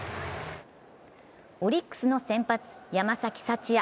オリックスの先発・山崎福也。